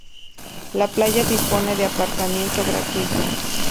La playa dispone de aparcamiento gratuito.